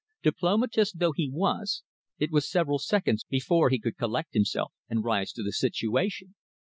Diplomatist though he was, it was several seconds before he could collect himself and rise to the situation.